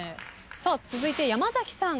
続いて山崎さん。